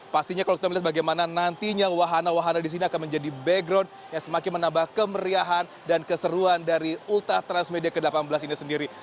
pastinya kalau kita melihat bagaimana nantinya wahana wahana di sini akan menjadi background yang semakin menambah kemeriahan dan keseruan dari ultra transmedia ke delapan belas ini sendiri